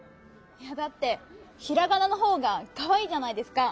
いやだってひらがなのほうがかわいいじゃないですか。